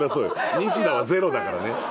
ニシダはゼロだからね。